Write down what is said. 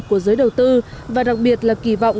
của giới đầu tư và đặc biệt là kỳ vọng